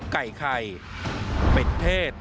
ไก่ไข่เป็ดเทศ